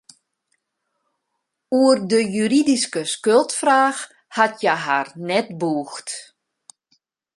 Oer de juridyske skuldfraach hat hja har net bûgd.